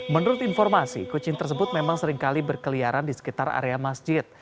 menurut informasi kucing tersebut memang seringkali berkeliaran di sekitar area masjid